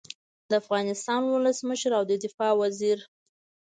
د افغانستان ولسمشر او د دفاع وزیر